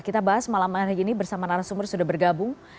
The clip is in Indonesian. kita bahas malam hari ini bersama narasumber sudah bergabung